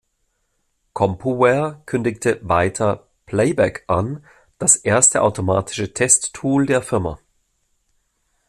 Compuware kündigte weiter "Playback" an, das erste automatische Test-Tool der Firma.